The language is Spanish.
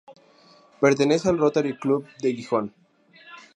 Pertenece al Rotary Club de Gijón.